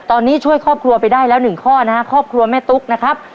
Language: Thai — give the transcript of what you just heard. ตอนนี้ช่วยครอบครัวไปได้แล้วหนึ่งข้อนะฮะครอบครัวแม่ตุ๊กนะครับ